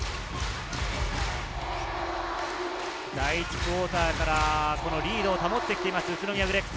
第１クオーターからリードを保って来ている宇都宮ブレックス。